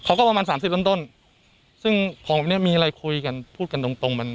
ประมาณสามสิบต้นต้นซึ่งของแบบเนี้ยมีอะไรคุยกันพูดกันตรงตรงมัน